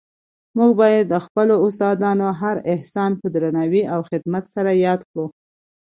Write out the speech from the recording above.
موږ باید د خپلو استادانو هر احسان په درناوي او خدمت سره یاد کړو.